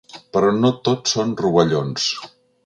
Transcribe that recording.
Però no tot són rovellons.